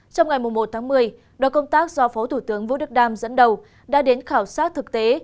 trong ngày một tháng một mươi đoàn công tác do phó thủ tướng vũ đức đam dẫn đầu đã đến khảo sát thực tế